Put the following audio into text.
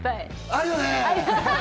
あるよね。